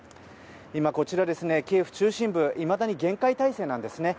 今、こちらのキーウ中心部いまだに厳戒態勢なんですね。